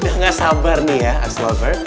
udah gak sabar nih ya aronah slaver